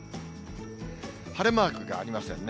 晴れマークがありませんね。